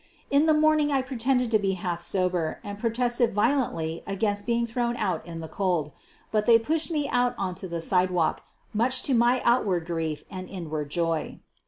In the morning I pretended to be half sober and protested violently against being thrown out in the cold. But they pushed me out onto the sidewalk, much to my outward grief and inward joy.